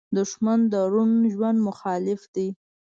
دښمن د روڼ ژوند مخالف دی